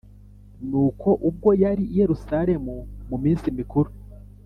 Nuko ubwo yari i Yerusalemu mu minsi mikuru